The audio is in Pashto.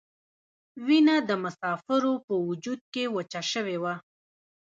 وینه د مسافرو په وجود کې وچه شوې وه.